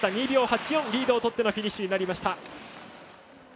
２秒８４リードをとってのフィニッシュになりました。